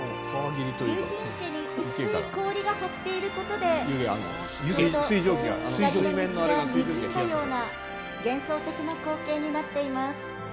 竜神池に薄い氷が張っていることで光の道がにじんだような幻想的な光景になっています。